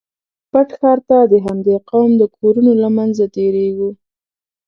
پټ ښار ته د همدې قوم د کورونو له منځه تېرېږو.